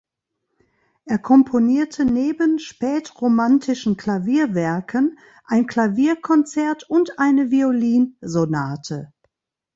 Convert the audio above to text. Er komponierte neben spätromantischen Klavierwerken ein Klavierkonzert und eine Violinsonate.